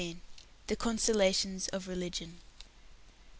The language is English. THE CONSOLATIONS OF RELIGION.